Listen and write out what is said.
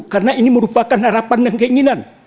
karena ini merupakan harapan dan keinginan